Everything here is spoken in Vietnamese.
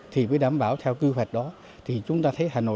thì mới đảm bảo theo quy hoạch đó